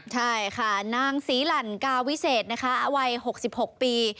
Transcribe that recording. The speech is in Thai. ใช่ค่ะนางศรีหลั่นกาวิเศษนะคะวัย๖๖ปี